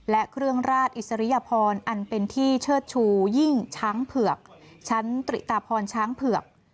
และเครื่องราชอิสริยพรอันเป็นที่เชิดชูยิ่งช้างเผือกชั้นตริตาพรช้างเผือก